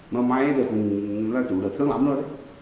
mà máy thì cũng là chú đã thương lắm rồi đấy